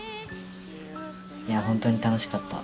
いやあ本当に楽しかった。